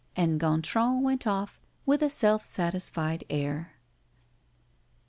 And Gontran went out with a self satisfied air.